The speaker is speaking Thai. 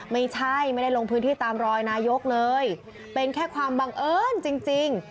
ไม่ได้ลงพื้นที่ตามรอยนายกเลยเป็นแค่ความบังเอิญจริง